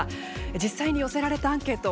実際に寄せられたアンケート